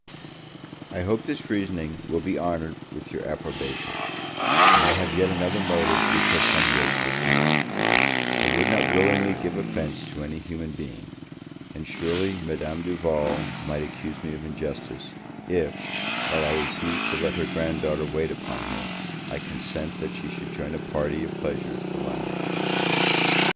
I hope this reasoning will be honoured with your approbation; and I have yet another motive which has some weight with me: I would not willingly give offence to any human being; and surely Madame Duval might accuse me of injustice, if, while I refuse to let her grand daughter wait upon her, I consent that she should join a party of pleasure to London.